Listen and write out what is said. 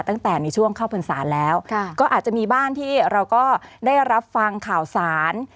ตั้งแต่มีช่วงเข้าพรรษาแล้วก็อาจจะมีบ้านที่เราก็ได้รับฟังข่าวสาร